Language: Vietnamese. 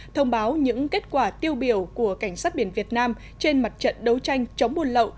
thông báo những kết quả tiêu biểu của cảnh sát biển việt nam trên mặt trận đấu tranh chống buôn lậu